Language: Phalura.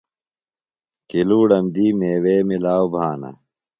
کِلُوڑم دی میوے مِلاؤ بھانہ۔